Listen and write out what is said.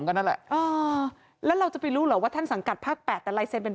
นั่นแหละแล้วเราจะไปรู้หรือว่าท่านสังกัดภาค๘แต่ไลเซนเป็น